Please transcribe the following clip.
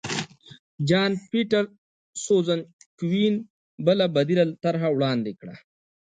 جان پیټرسزونکوین بله بدیله طرحه وړاندې کړه.